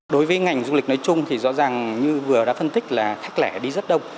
đối với ngành du lịch nói chung thì rõ ràng như vừa đã phân tích là khách lẻ đi rất đông